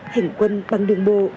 hành quân bằng đường bộ